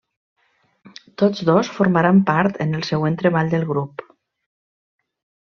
Tots dos formaran part en el següent treball del grup.